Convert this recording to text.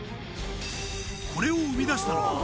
これを生み出したのは